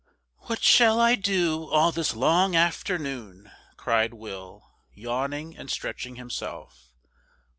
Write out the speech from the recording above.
"WHAT shall I do all this long afternoon?" cried Will, yawning and stretching himself.